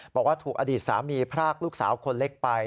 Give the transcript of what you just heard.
บอกว่าถูกอดีตสามีพรากลูกสาวคนเล็กไป